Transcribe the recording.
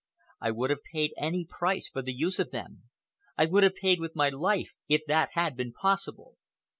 I would have paid any price for the use of them. I would have paid with my life, if that had been possible.